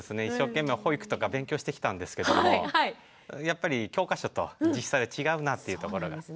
一生懸命保育とか勉強してきたんですけどもやっぱり教科書と実際は違うなというところが。